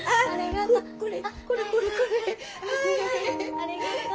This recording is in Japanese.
ありがとう。